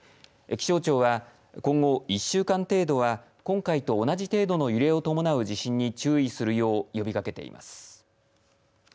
気象庁は、今後１週間程度は今回と同じ程度の揺れを伴う地震に注意するよう呼びかけています。